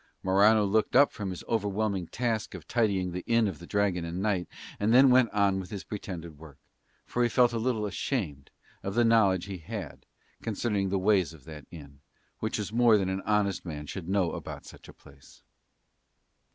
Morano looked up from his overwhelming task of tidying the Inn of the Dragon and Knight and then went on with his pretended work, for he felt a little ashamed of the knowledge he had concerning the ways of that inn, which was more than an honest man should know about such a place.